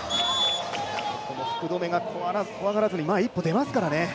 福留が怖がらずに前に一歩出ますからね。